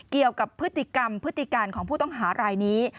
เกี่ยวกับพฤติกรรมพฤติการของผู้ต้องหารายนี้